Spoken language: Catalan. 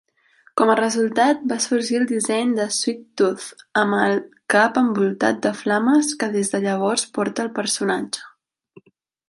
Com a resultat, va sorgir el disseny de Sweet Tooth amb el cap envoltat de flames que des de llavors porta el personatge.